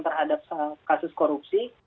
terhadap kasus korupsi